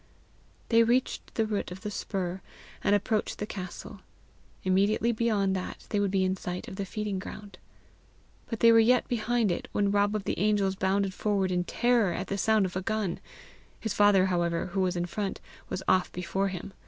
They reached the root of the spur, and approached the castle; immediately beyond that, they would be in sight of the feeding ground. But they were yet behind it when Rob of the Angels bounded forward in terror at the sound of a gun. His father, however, who was in front, was off before him.